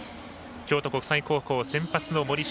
京都国際高校、先発の森下。